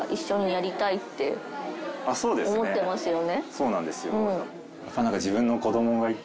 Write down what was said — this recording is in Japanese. そうなんです。